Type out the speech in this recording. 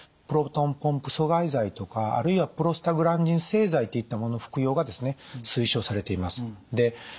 プロトンポンプ阻害剤とかあるいはプロスタグランジン製剤っていったものの服用がですね推奨されています。